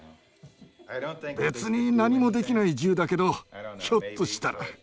別に何もできない銃だけどひょっとしたら。